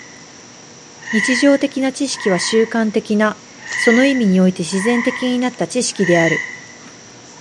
日常的な知識は習慣的な、その意味において自然的になった知識である。